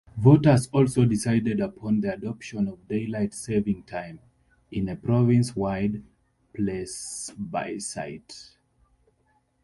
Voters also decided upon the adoption of daylight saving time, in a province-wide plebiscite.